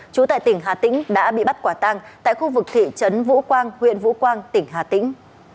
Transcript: chú tại tỉnh hà tĩnh đã bị bắt quả tang tại khu vực thị trấn vũ quang huyện vũ quang tỉnh hà tĩnh